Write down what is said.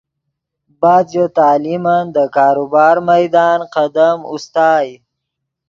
بعد ژے تعلیمن دے کاروبار میدان قدم اوستائے